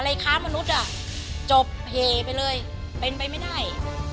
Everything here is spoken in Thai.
ค้ามนุษย์อ่ะจบเหไปเลยเป็นไปไม่ได้